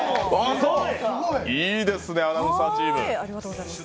いいですね、アナウンサーチーム。